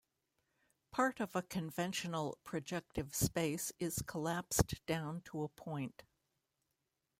Part of a conventional projective space is collapsed down to a point.